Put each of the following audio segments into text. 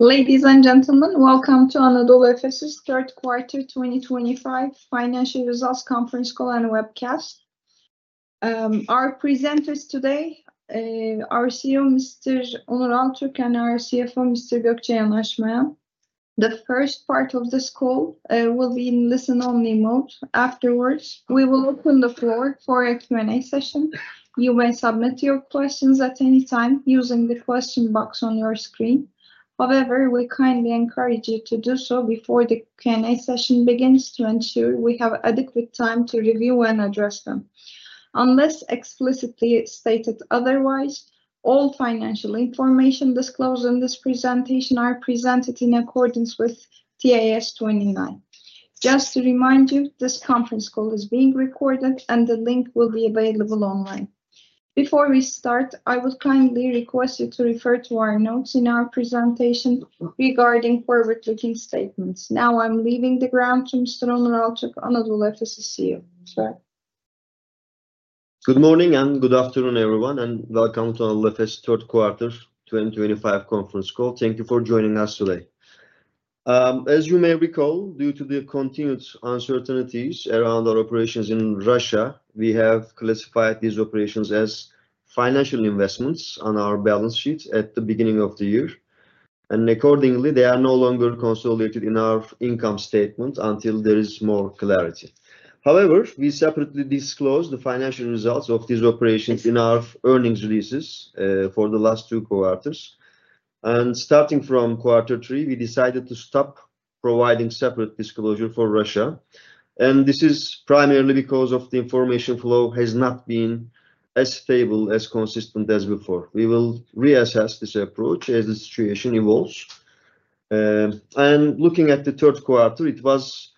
Ladies and gentlemen, welcome to Anadolu Efes' Third Quarter 2025 Financial Results Conference Call and Webcast. Our presenters today are CEO Mr. Onur Altürk and our CFO Mr. Gökçe Yanaşmayan. The first part of the call will be in listen-only mode. Afterwards, we will open the floor for a Q&A session. You may submit your questions at any time using the question box on your screen. However, we kindly encourage you to do so before the Q&A session begins to ensure we have adequate time to review and address them. Unless explicitly stated otherwise, all financial information disclosed in this presentation is presented in accordance with TAS 29. Just to remind you, this conference call is being recorded, and the link will be available online. Before we start, I would kindly request you to refer to our notes in our presentation regarding forward-looking statements. Now I'm leaving the ground to Mr. Onur Altürk, Anadolu Efes CEO. Sir. Good morning and good afternoon, everyone, and welcome to Anadolu Efes' Third Quarter 2025 Conference Call. Thank you for joining us today. As you may recall, due to the continued uncertainties around our operations in Russia, we have classified these operations as financial investments on our balance sheet at the beginning of the year. Accordingly, they are no longer consolidated in our income statement until there is more clarity. However, we separately disclosed the financial results of these operations in our earnings releases for the last two quarters. Starting from quarter three, we decided to stop providing separate disclosure for Russia. This is primarily because the information flow has not been as stable and consistent as before. We will reassess this approach as the situation evolves. Looking at the third quarter, it was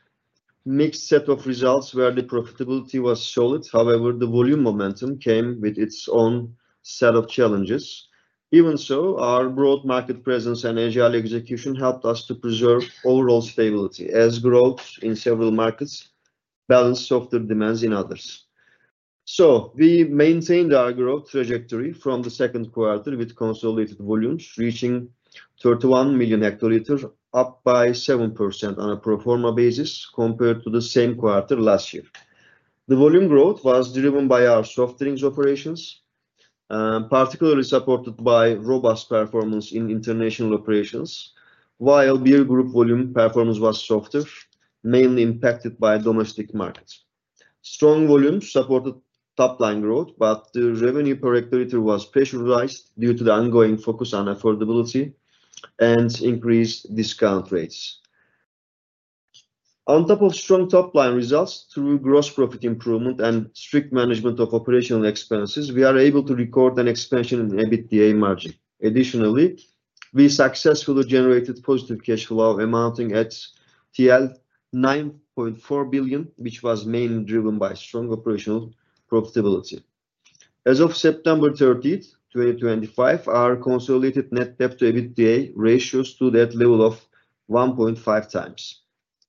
a mixed set of results where the profitability was solid. However, the volume momentum came with its own set of challenges. Even so, our broad market presence and agile execution helped us to preserve overall stability, as growth in several markets balanced softer demands in others. We maintained our growth trajectory from the second quarter with consolidated volumes reaching 31 million hectoliters, up by 7% on a pro forma basis compared to the same quarter last year. The volume growth was driven by our Soft Drinks operations, particularly supported by robust performance in international operations, Beer Group volume performance was softer, mainly impacted by domestic markets. Strong volumes supported top-line growth, but the revenue per hectoliter was pressurized due to the ongoing focus on affordability and increased discount rates. On top of strong top-line results, through gross profit improvement and strict management of operational expenses, we are able to record an expansion in EBITDA margin. Additionally, we successfully generated positive cash flow amounting at 9.4 billion, which was mainly driven by strong operational profitability. As of September 30th, 2025, our consolidated net debt-to-EBITDA ratio stood at a level of 1.5x.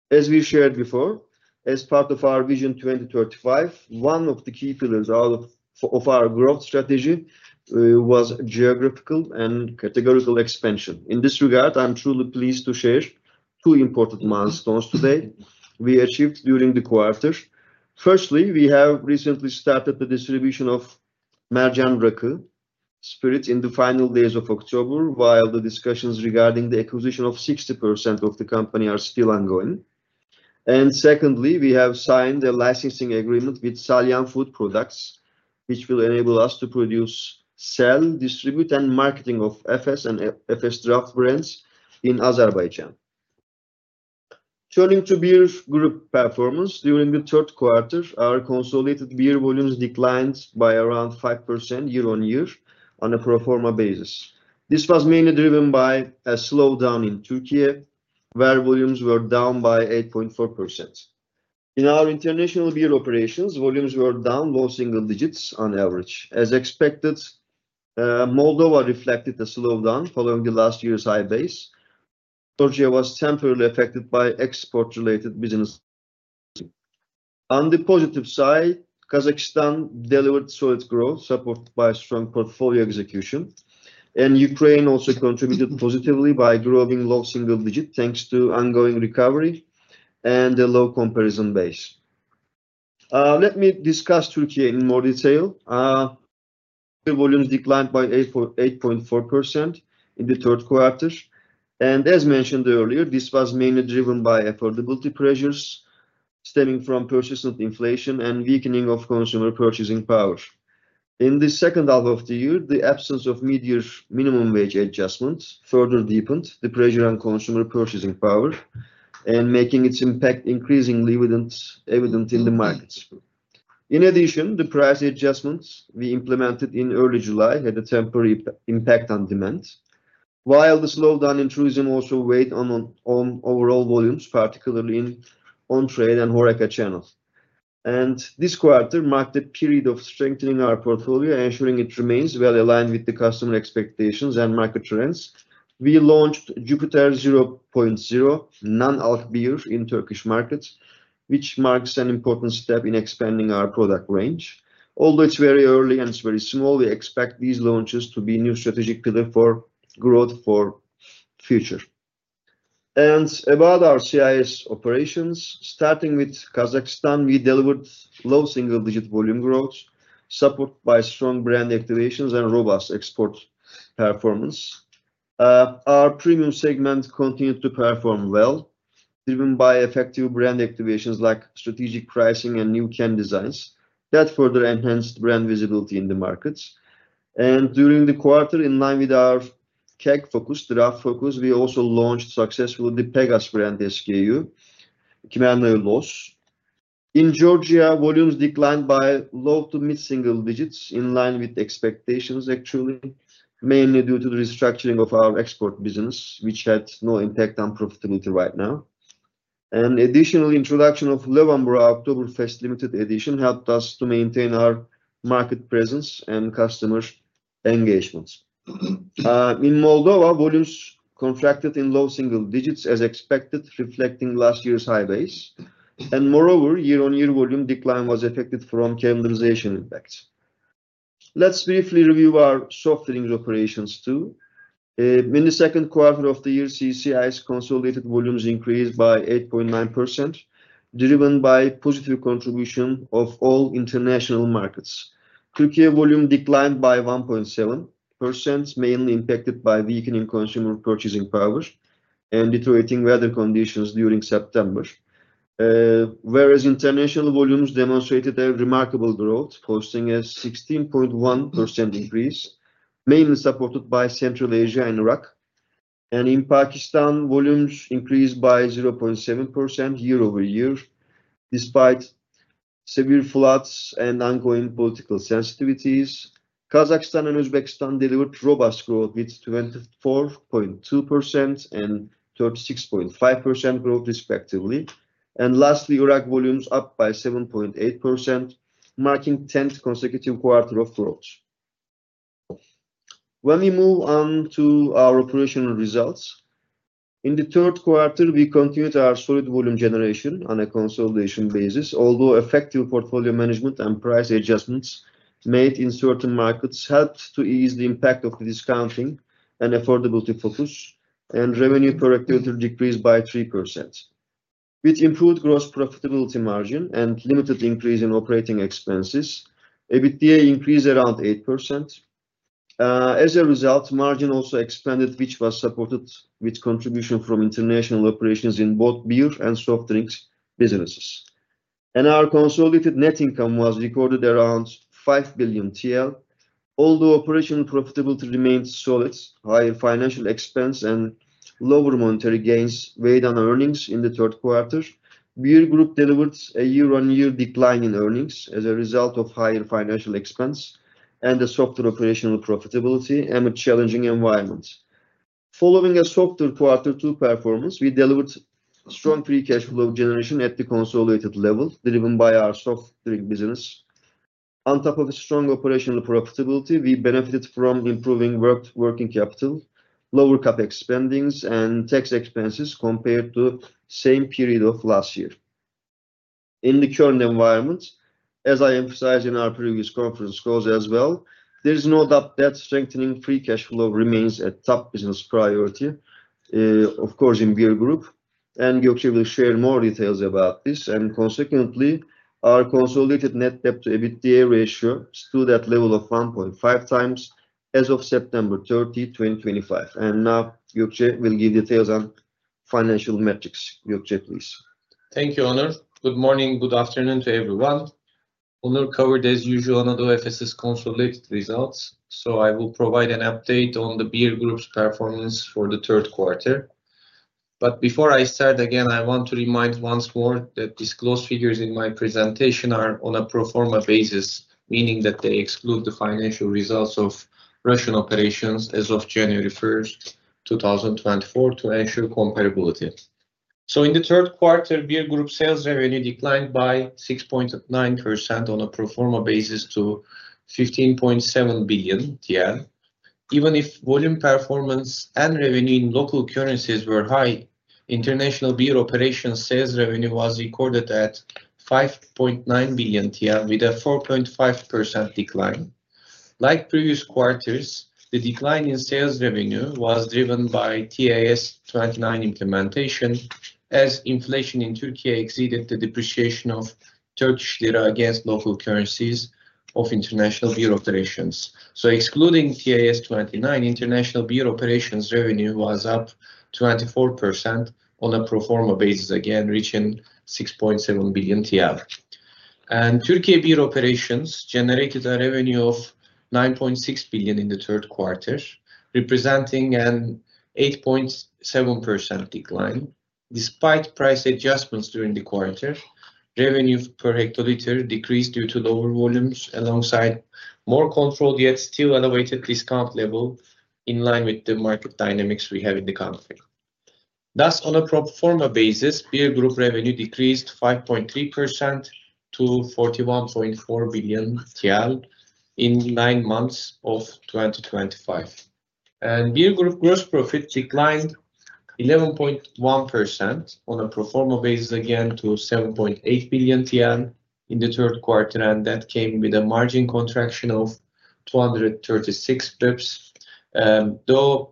As we shared before, as part of our Vision 2035, one of the key pillars of our growth strategy was geographical and categorical expansion. In this regard, I'm truly pleased to share two important milestones today we achieved during the quarter. Firstly, we have recently started the distribution of Mercan Rakı spirit in the final days of October, while the discussions regarding the acquisition of 60% of the company are still ongoing. Secondly, we have signed a licensing agreement with Salyan Food Products, which will enable us to produce, sell, distribute, and marketing of Efes and Efes Draft brands in Azerbaijan. Turning Beer Group performance, during the third quarter, our consolidated beer volumes declined by around 5% year-on-year on a pro forma basis. This was mainly driven by a slowdown in Türkiye, where volumes were down by 8.4%. In our international Beer operations, volumes were down low single digits on average. As expected, Moldova reflected the slowdown following last year's high base. Georgia was temporarily affected by export-related business. On the positive side, Kazakhstan delivered solid growth supported by strong portfolio execution. Ukraine also contributed positively by growing low single digit thanks to ongoing recovery and a low comparison base. Let me discuss Türkiye in more detail. Volumes declined by 8.4% in the third quarter. As mentioned earlier, this was mainly driven by affordability pressures stemming from persistent inflation and weakening of consumer purchasing power. In the second half of the year, the absence of mid-year minimum wage adjustments further deepened the pressure on consumer purchasing power and made its impact increasingly evident in the markets. In addition, the price adjustments we implemented in early July had a temporary impact on demand, while the slowdown in tourism also weighed on overall volumes, particularly in on-trade and HoReCa channels. This quarter marked a period of strengthening our portfolio, ensuring it remains well-aligned with the customer expectations and market trends. We launched Jupiler 0.0% non-alc beer in Turkish markets, which marks an important step in expanding our product range. Although it's very early and it's very small, we expect these launches to be a new strategic pillar for growth for the future. About our CIS operations, starting with Kazakhstan, we delivered low single-digit volume growth supported by strong brand activations and robust export performance. Our premium segment continued to perform well, driven by effective brand activations like strategic pricing and new can designs that further enhanced brand visibility in the markets. During the quarter, in line with our KEG focus, the RAF focus, we also launched successfully the Pegas brand SKU, Khmelnoy Los. In Georgia, volumes declined by low to mid single-digits, in line with expectations, actually, mainly due to the restructuring of our export business, which had no impact on profitability right now. Additionally, the introduction of Löwenbräu Oktoberfest Limited Edition helped us to maintain our market presence and customer engagement. In Moldova, volumes contracted in low single digits, as expected, reflecting last year's high base. Moreover, year-on-year volume decline was affected from calendarization impacts. Let's briefly review our Soft Drinks operations too. In the second quarter of the year, CCI's consolidated volumes increased by 8.9%, driven by positive contribution of all international markets. Türkiye volume declined by 1.7%, mainly impacted by weakening consumer purchasing power and deteriorating weather conditions during September. Whereas international volumes demonstrated a remarkable growth, posting a 16.1% increase, mainly supported by Central Asia and Iraq. In Pakistan, volumes increased by 0.7% year-over-year, despite severe floods and ongoing political sensitivities. Kazakhstan and Uzbekistan delivered robust growth with 24.2% and 36.5% growth, respectively. Lastly, Iraq volumes upped by 7.8%, marking the 10th consecutive quarter of growth. When we move on to our operational results, in the third quarter, we continued our solid volume generation on a consolidation basis, although effective portfolio management and price adjustments made in certain markets helped to ease the impact of the discounting and affordability focus, and revenue per hectoliter decreased by 3%. With improved gross profitability margin and limited increase in operating expenses, EBITDA increased around 8%. As a result, margin also expanded, which was supported with contribution from international operations in both Beer and Soft Drinks businesses. Our consolidated net income was recorded around 5 billion TL, although operational profitability remained solid. Higher financial expense and lower monetary gains weighed on earnings in the third Beer Group delivered a year-on-year decline in earnings as a result of higher financial expense and a softer operational profitability and a challenging environment. Following a softer quarter two performance, we delivered strong free cash flow generation at the consolidated level, driven by our Soft Drink business. On top of strong operational profitability, we benefited from improving working capital, lower CapEx, and tax expenses compared to the same period of last year. In the current environment, as I emphasized in our previous conference calls as well, there is no doubt that strengthening free cash flow remains a top business priority. Of course, Beer Group. gökçe will share more details about this. Consequently, our consolidated net debt-to-EBITDA ratio stood at a level of 1.5x as of September 30th, 2025. Now, Gökçe will give details on financial metrics. Gökçe, please. Thank you, Onur. Good morning, good afternoon to everyone. Onur covered, as usual, Anadolu Efes's consolidated results, so I will provide an update on Beer Group's performance for the third quarter. Before I start, again, I want to remind once more that disclosed figures in my presentation are on a pro forma basis, meaning that they exclude the financial results of Russian operations as of January 1st, 2024, to ensure comparability. In the third quarter, Beer Group sales revenue declined by 6.9% on a pro forma basis to 15.7 billion TL. Even if volume performance and revenue in local currencies were high, international Beer operations sales revenue was recorded at 5.9 billion TL, with a 4.5% decline. Like previous quarters, the decline in sales revenue was driven by TAS 29 implementation, as inflation in Türkiye exceeded the depreciation of Turkish lira against local currencies of international Beer operations. Excluding TAS 29, international Beer operations revenue was up 24% on a pro forma basis, again reaching 6.7 billion TL. Türkiye Beer operations generated a revenue of 9.6 billion in the third quarter, representing an 8.7% decline. Despite price adjustments during the quarter, revenue per hectoliter decreased due to lower volumes alongside more controlled yet still elevated discount level, in line with the market dynamics we have in the country. Thus, on a pro forma basis, Beer Group revenue decreased 5.3% to 41.4 billion TL in nine months of 2025. Beer Group gross profit declined 11.1% on a pro forma basis, again to 7.8 billion in the third quarter, and that came with a margin contraction of 236 basis points.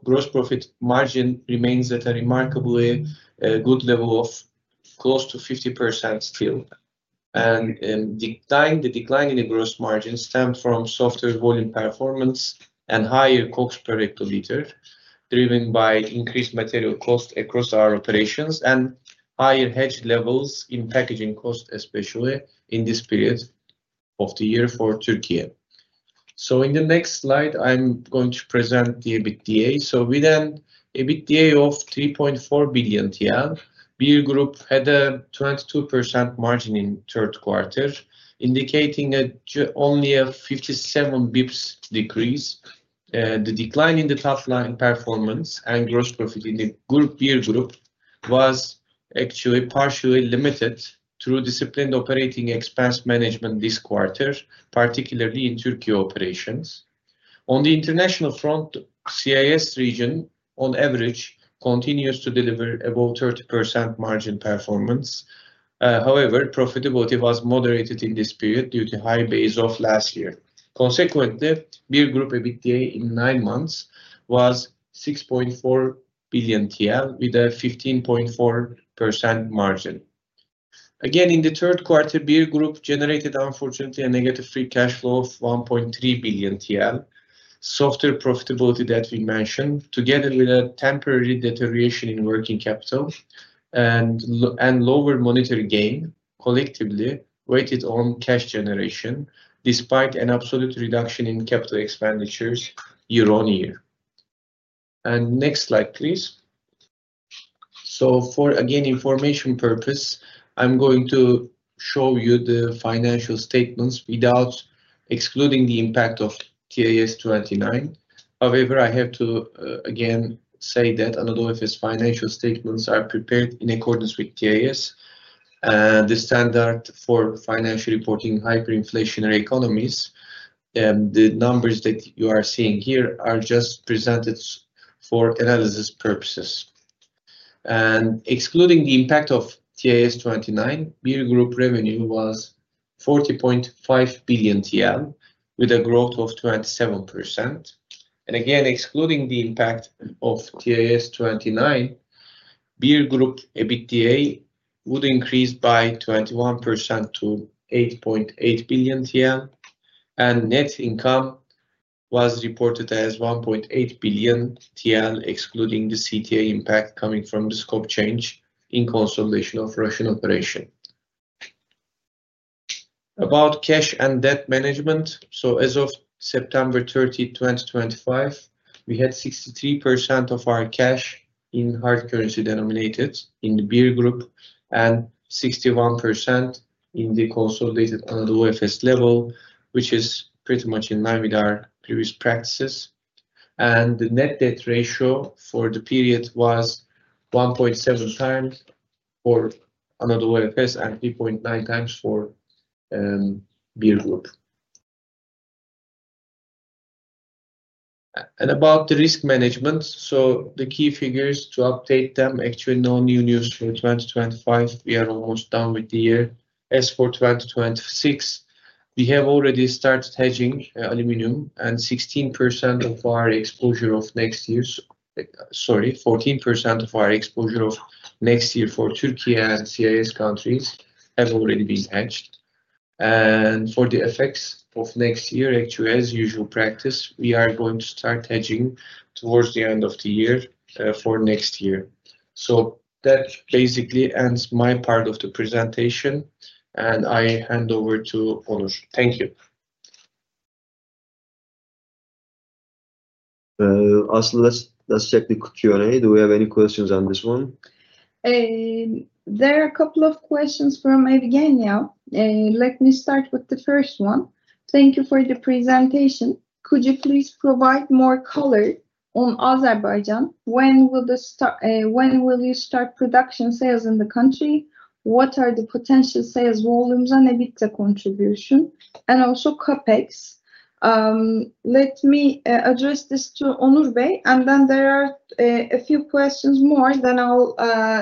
Gross profit margin remains at a remarkably good level of close to 50% still. The decline in the gross margin stemmed from softer volume performance and higher COGS per hectoliter, driven by increased material cost across our operations and higher hedge levels in packaging cost, especially in this period of the year for Türkiye. In the next slide, I am going to present the EBITDA. With an EBITDA of 3.4 billion TL, Beer Group had a 22% margin in the third quarter, indicating only a 57 basis points decrease. The decline in the top-line performance and gross profit in Beer Group was actually partially limited through disciplined operating expense management this quarter, particularly in Türkiye operations. On the international front, CIS region, on average, continues to deliver above 30% margin performance. However, profitability was moderated in this period due to high base of last year. Consequently, Beer Group EBITDA in nine months was 6.4 billion TL, with a 15.4% margin. Again, in the third quarter Beer Group generated, unfortunately, a negative free cash flow of 1.3 billion TL, softer profitability that we mentioned, together with a temporary deterioration in working capital. Lower monetary gain collectively weighted on cash generation, despite an absolute reduction in capital expenditures year-on-year. Next slide, please. For information purpose, I'm going to show you the financial statements without excluding the impact of TAS 29. However, I have to, again, say that Anadolu Efes financial statements are prepared in accordance with TAS. The standard for financial reporting in hyperinflationary economies. The numbers that you are seeing here are just presented for analysis purposes. Excluding the impact of TAS 29, Beer Group revenue was 40.5 billion TL, with a growth of 27%. Excluding the impact of TAS 29, Beer Group EBITDA would increase by 21% to 8.8 billion TL. Net income was reported as 1.8 billion TL, excluding the CTA impact coming from the scope change in consolidation of Russian operation. About cash and debt management, as of September 30th, 2025, we had 63% of our cash in hard currency denominated in the Beer Group and 61% in the consolidated Anadolu Efes level, which is pretty much in line with our previous practices. The net debt ratio for the period was 1.7x for Anadolu Efes and 3.9x for Beer Group. About the risk management, the key figures to update them, actually no new news for 2025. We are almost done with the year. As for 2026, we have already started hedging aluminum, and 16% of our exposure of next year's—sorry, 14% of our exposure of next year for Türkiye and CIS countries have already been hedged. For the FX of next year, actually, as usual practice, we are going to start hedging towards the end of the year for next year. That basically ends my part of the presentation, and I hand over to Onur. Thank you. Aslı, let's check the Q&A. Do we have any questions on this one? There are a couple of questions from Evgenia. Let me start with the first one. Thank you for the presentation. Could you please provide more color on Azerbaijan? When will you start production sales in the country? What are the potential sales volumes and EBITDA contribution? Also, CapEx. Let me address this to Onur Bey, and then there are a few questions more, then I'll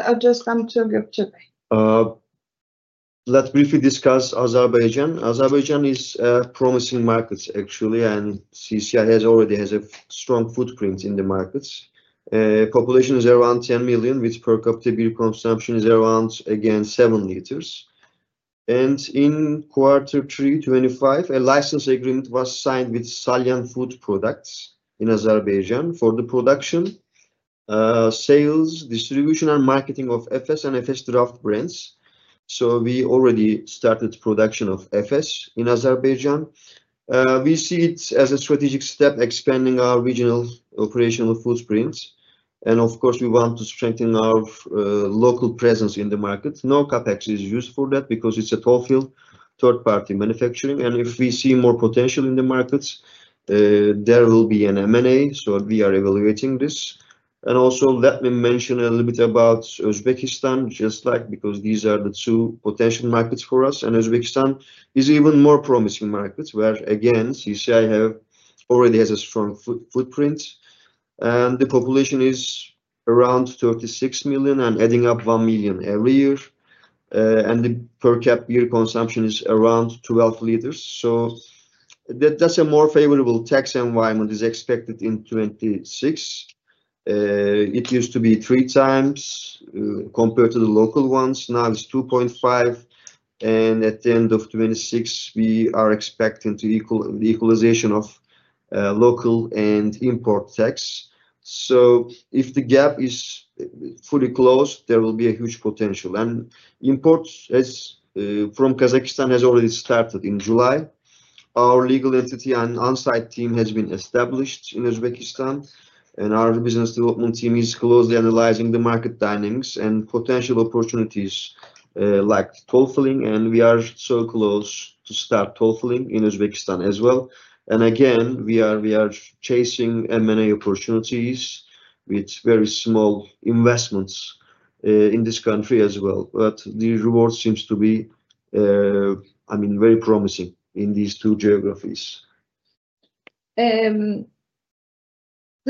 address them to Gökçe Bey. Let's briefly discuss Azerbaijan. Azerbaijan is a promising market, actually, and CCI already has a strong footprint in the markets. Population is around 10 million, with per capita beer consumption is around, again, 7 L. In quarter three 2025, a license agreement was signed with Salyan Food Products in Azerbaijan for the production, sales, distribution, and marketing of Efes and Efes Draft brands. We already started production of Efes in Azerbaijan. We see it as a strategic step, expanding our regional operational footprint. Of course, we want to strengthen our local presence in the market. No CapEx is used for that because it is a toll-filled third-party manufacturing. If we see more potential in the markets, there will be an M&A, so we are evaluating this. Also, let me mention a little bit about Uzbekistan, just like because these are the two potential markets for us. Uzbekistan is an even more promising market, where, again, CCI already has a strong footprint. The population is around 36 million, and adding up 1 million every year. The per capita beer consumption is around 12 L. That is a more favorable tax environment that is expected in 2026. It used to be 3x compared to the local ones. Now it is 2.5x. At the end of 2026, we are expecting the equalization of local and import tax. If the gap is fully closed, there will be a huge potential. Imports from Kazakhstan have already started in July. Our legal entity and on-site team have been established in Uzbekistan. Our business development team is closely analyzing the market dynamics and potential opportunities, like toll-filling. We are so close to start toll-filling in Uzbekistan as well. Again, we are chasing M&A opportunities with very small investments in this country as well. The reward seems to be, I mean, very promising in these two geographies. The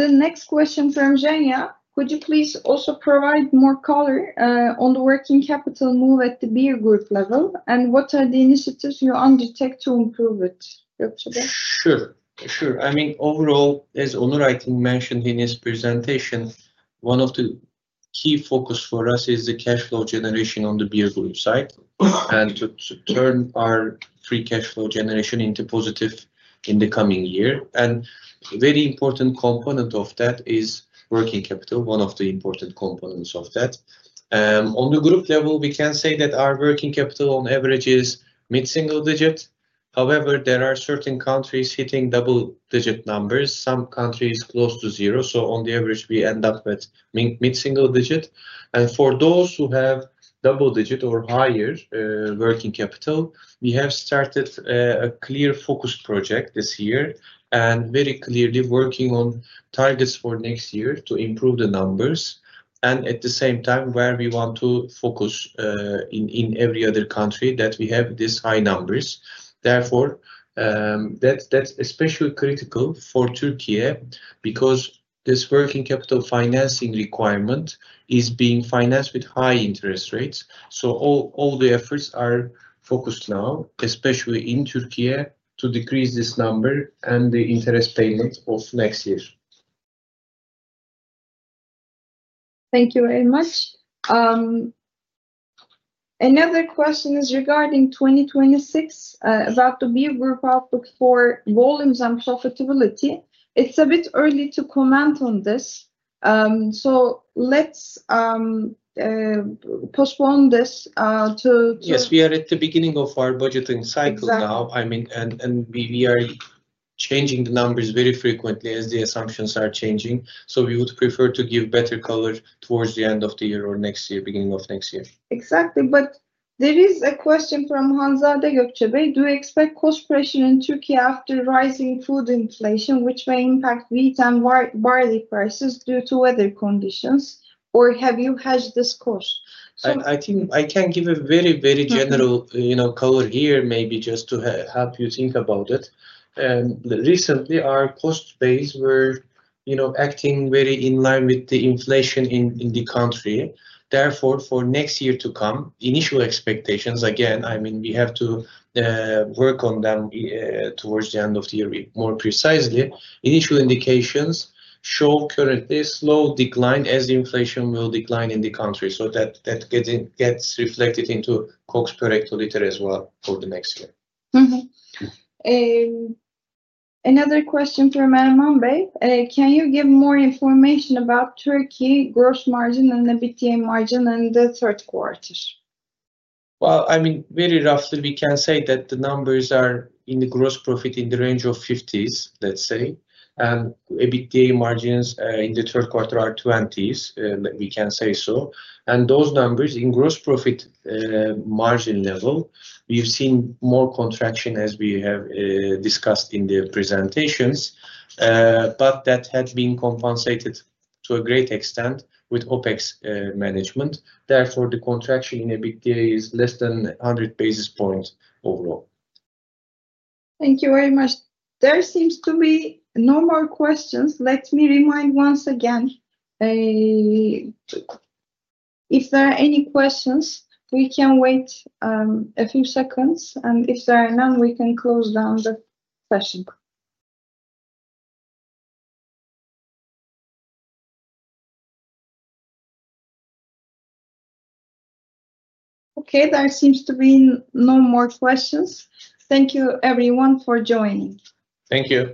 next question from Evgenia. Could you please also provide more color on the working capital move at the Beer Group level? What are the initiatives you undertake to improve it? Gökçe Bey? Sure. Sure. I mean, overall, as Onur I think mentioned in his presentation, one of the key focuses for us is the cash flow generation on the Beer Group side. To turn our free cash flow generation into positive in the coming year is a very important component of that, working capital, one of the important components of that. On the group level, we can say that our working capital, on average, is mid-single digit. However, there are certain countries hitting double-digit numbers, some countries close to zero. On the average, we end up with mid-single digit. For those who have double-digit or higher working capital, we have started a clear focus project this year and very clearly working on targets for next year to improve the numbers. At the same time, where we want to focus. In every other country that we have these high numbers. Therefore, that's especially critical for Türkiye because this working capital financing requirement is being financed with high interest rates. All the efforts are focused now, especially in Türkiye, to decrease this number and the interest payment of next year. Thank you very much. Another question is regarding 2026, about Beer Group outlook for volumes and profitability. It's a bit early to comment on this. Let's postpone this to. Yes, we are at the beginning of our budgeting cycle now. I mean, we are changing the numbers very frequently as the assumptions are changing. We would prefer to give better color towards the end of the year or next year, beginning of next year. Exactly. There is a question from Hanzade, Gökçe Bey. Do you expect cost pressure in Türkiye after rising food inflation, which may impact wheat and barley prices due to weather conditions? Or have you hedged this cost? I can give a very, very general color here, maybe just to help you think about it. Recently, our cost base was acting very in line with the inflation in the country. Therefore, for next year to come, initial expectations, again, I mean, we have to work on them towards the end of the year. More precisely, initial indications show currently a slow decline as inflation will decline in the country. That gets reflected into COGS per hectoliter as well for the next year. Another question from Adnan Bey. Can you give more information about Türkiye gross margin and EBITDA margin in the third quarter? I mean, very roughly, we can say that the numbers are in the gross profit in the range of 50s, let's say. EBITDA margins in the third quarter are 20s, we can say so. Those numbers in gross profit margin level, we've seen more contraction as we have discussed in the presentations. That had been compensated to a great extent with OpEx management. Therefore, the contraction in EBITDA is less than 100 basis points overall. Thank you very much. There seems to be no more questions. Let me remind once again. If there are any questions, we can wait a few seconds. If there are none, we can close down the session. Okay. There seems to be no more questions. Thank you, everyone, for joining. Thank you.